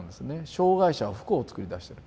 障害者は不幸を作り出してる。